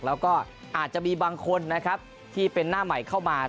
แล้วก็อาจจะมีบางคนนะครับที่เป็นหน้าใหม่เข้ามา